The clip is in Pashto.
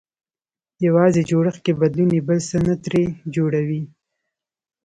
يوازې جوړښت کې بدلون يې بل څه نه ترې جوړوي.